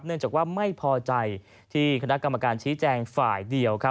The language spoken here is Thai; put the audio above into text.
เนื่องจากว่าไม่พอใจที่คณะกรรมการชี้แจงฝ่ายเดียว